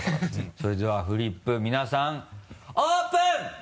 それではフリップ皆さんオープン！